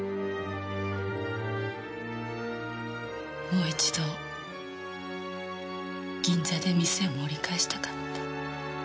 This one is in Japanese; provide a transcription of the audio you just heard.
もう一度銀座で店を盛り返したかった。